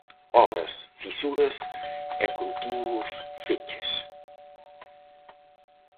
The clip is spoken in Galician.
Obras, fisuras e continuos feches.